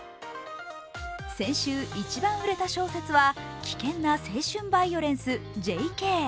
先週一番売れた小説は危険な青春バイオレンス「ＪＫ」。